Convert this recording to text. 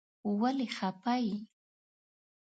ولی خپه یی ؟